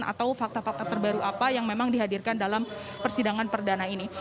atau fakta fakta terbaru apa yang memang dihadirkan dalam persidangan perdana ini